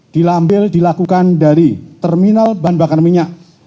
dilampil dilakukan dari terminal bahan bakar minyak